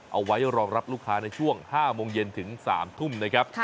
เอาไว้รองรับลูกค้าในช่วง๕โมงเย็นถึง๓ทุ่มนะครับ